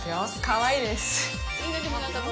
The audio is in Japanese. かわいいです。